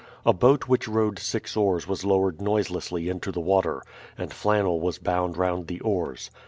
A boat which rowed six oars was lowered noiselessly into the water, and flannel was bound round the oars.